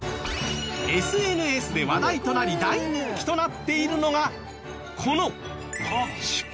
ＳＮＳで話題となり大人気となっているのがこの。